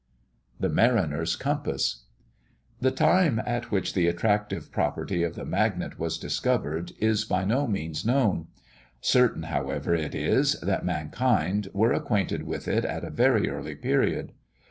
THE MARINER'S COMPASS. The time at which the attractive property of the magnet was discovered, is by no means known; certain, however, it is, that mankind were acquainted with it at a very early period.